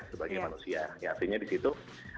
sebagai manusia ya artinya di situ